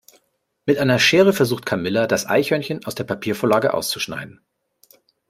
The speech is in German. Mit einer Schere versucht Camilla das Eichhörnchen aus der Papiervorlage auszuschneiden.